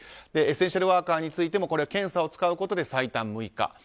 エッセンシャルワーカーについても、検査を使うことで最短６日。